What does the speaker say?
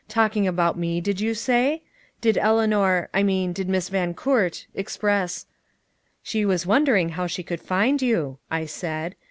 Talking about me, did you say? Did Eleanor I mean, did Miss Van Coort express ?" "She was wondering how she could find you," I said.